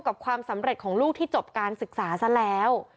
ความสำเร็จของลูกที่จบการศึกษาซะแล้ว